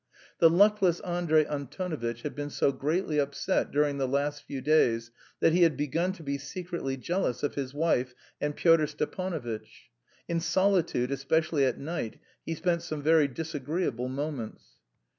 The luckless Andrey Antonovitch had been so greatly upset during the last few days that he had begun to be secretly jealous of his wife and Pyotr Stepanovitch. In solitude, especially at night, he spent some very disagreeable moments.